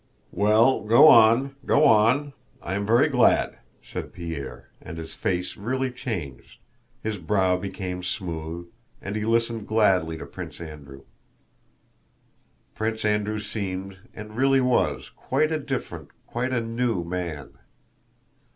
"Well, go on, go on. I am very glad," said Pierre, and his face really changed, his brow became smooth, and he listened gladly to Prince Andrew. Prince Andrew seemed, and really was, quite a different, quite a new man.